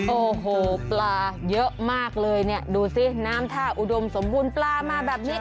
โอ้โหปลาเยอะมากเลยเนี่ยดูสิน้ำท่าอุดมสมบูรณ์ปลามาแบบนี้